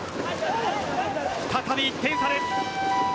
再び１点差です。